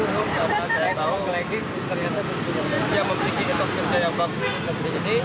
saya tahu kelebihan yang mempunyai untuk kerja yang bagus di negeri ini